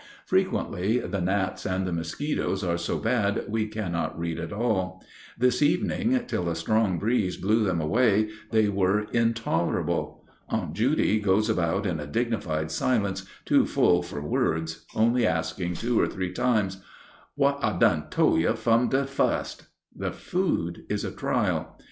Frequently the gnats and the mosquitos are so bad we cannot read at all. This evening, till a strong breeze blew them away, they were intolerable. Aunt Judy goes about in a dignified silence, too full for words, only asking two or three times, "W'at I done tole you fum de fust?" The food is a trial.